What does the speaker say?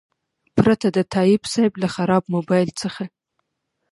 پرته د تایب صیب له خراب موبایل څخه.